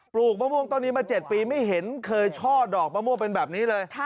ลูกมะม่วงต้นนี้มา๗ปีไม่เห็นเคยช่อดอกมะม่วงเป็นแบบนี้เลย